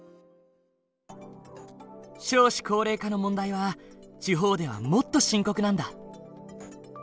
少子高齢化の問題は地方ではもっと深刻なんだ。